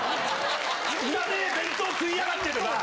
汚ねぇ弁当食いやがってとか。